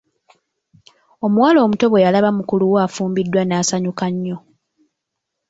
Omuwala omuto bwe yalaba mukulu we afumbiddwa n'asanyuka nnyo.